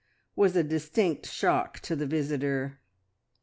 was a distinct shock to the visitor.